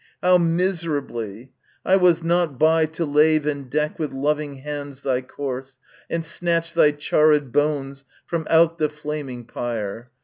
How miserably ! I was not by to lave And deck with loving hands thy corse, and snatch Thy charréd bones from out the flaming pyre.